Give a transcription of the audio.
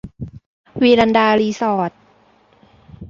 วีรันดา รีสอร์ท